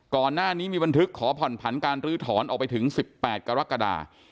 ก่อนหน้านี้มีบันทึกขอผ่อนผันการลื้อถอนออกไปถึง๑๘กรกฎา